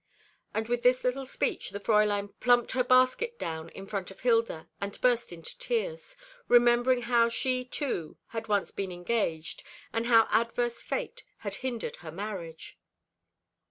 And with this little speech the Fräulein plumped her basket down in front of Hilda, and burst into tears, remembering how she, too, had once been engaged, and how adverse Fate had hindered her marriage.